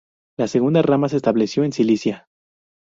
La segunda rama se estableció en Sicilia.